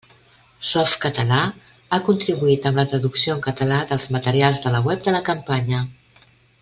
Softcatalà ha contribuït amb la traducció en català dels materials de la web de la campanya.